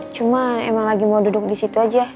cuma emang lagi mau duduk di situ aja